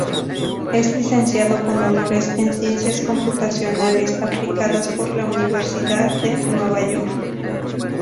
Es Licenciado con honores en Ciencias Computacionales Aplicadas por la Universidad de Nueva York.